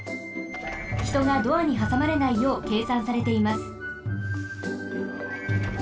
ひとがドアにはさまれないようけいさんされています。